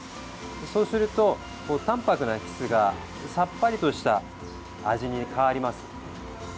そうすると、淡泊なキスがさっぱりとした味に変わります。